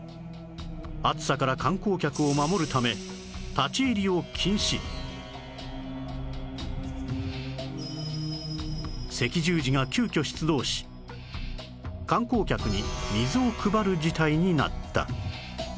暑さから観光客を守るため赤十字が急きょ出動し観光客に水を配る事態になった